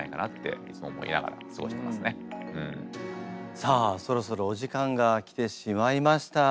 さあそろそろお時間が来てしまいました。